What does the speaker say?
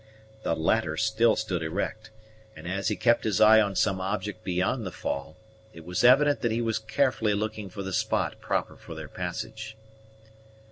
The latter still stood erect; and, as he kept his eye on some object beyond the fall, it was evident that he was carefully looking for the spot proper for their passage.